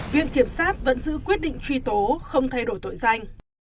viện kiểm sát vẫn giữ quyết định truy tố không thay đổi tội danh